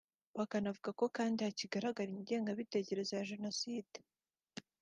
bakanavuga ko kandi hakigaragara ingengabitekerezo ya Jenoside